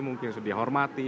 mungkin sudah dihormati